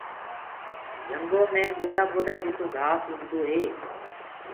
جهنٚگ گوڏآ گوڏآ جِتو گھآس اُگآنٚدوئي